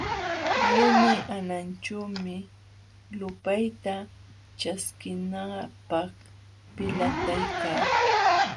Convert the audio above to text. Lumi hananćhuumi lupayta ćhaskinanapq pillatayka.